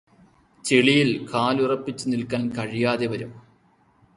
ചെളിയില് കാലുറപ്പിച്ചു നില്ക്കാന് കഴിയാതെ വരും